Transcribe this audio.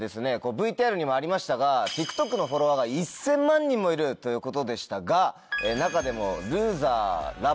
ＶＴＲにもありましたがＴｉｋＴｏｋのフォロワーが１０００万人もいるということでしたが中でも。